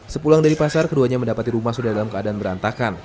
sepulang dari pasar keduanya mendapati rumah sudah dalam keadaan berantakan